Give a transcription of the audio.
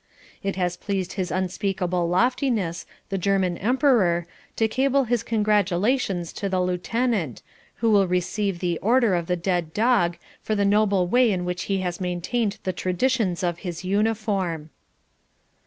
It has pleased His Unspeakable Loftiness, the German Emperor, to cable his congratulations to the Lieutenant, who will receive The Order of the Dead Dog for the noble way in which he has maintained the traditions of his uniform.